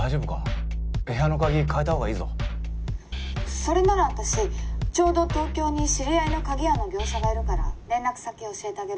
「それなら私ちょうど東京に知り合いの鍵屋の業者がいるから連絡先教えてあげる」